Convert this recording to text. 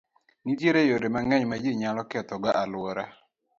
Nitie yore mang'eny ma ji nyalo kethogo alwora.